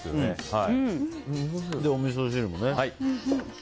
で、おみそ汁もね。